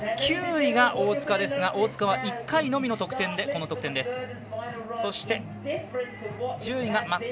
９位が大塚ですが、大塚は１回のみの得点でこの得点です。